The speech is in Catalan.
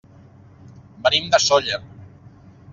Venim de Sóller.